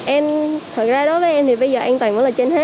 em thật ra đối với em thì bây giờ an tâm hơn